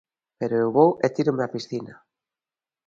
Pero eu vou e tírome á piscina.